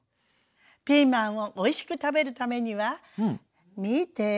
ピーマンをおいしく食べるためには見て。